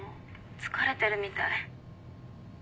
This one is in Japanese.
疲れてるみたい。